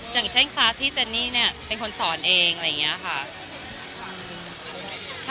อย่างเช่นคลาสที่เจนนี่เนี่ยเป็นคนสอนเองอะไรอย่างนี้ค่ะ